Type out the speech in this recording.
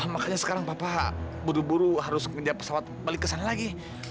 makanya sekarang bapak buru buru harus pindah pesawat balik ke sana lagi